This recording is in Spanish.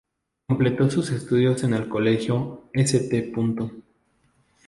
Completó sus estudios en el Colegio St.